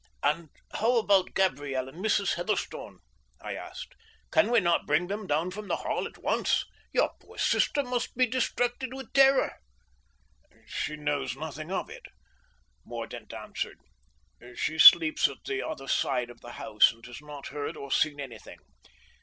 "And how about Gabriel and Mrs. Heatherstone?" I asked. "Can we not bring them down from the Hall at once? Your poor sister must be distracted with terror." "She knows nothing of it," Mordaunt answered. "She sleeps at the other side of the house, and has not heard or seen anything.